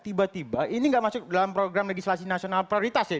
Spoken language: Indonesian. tiba tiba ini nggak masuk dalam program legislasi nasional prioritas ya